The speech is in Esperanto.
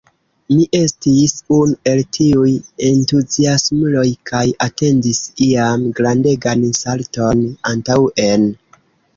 Mi estis unu el tiuj entuziasmuloj kaj atendis ian “grandegan salton antaŭen”.